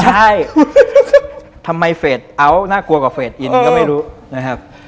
ใช่ทำไมเฟสเอาท์น่ากลัวกว่าเฟสอินก็ไม่รู้นะครับ